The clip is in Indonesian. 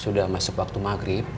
sudah masuk waktu maghrib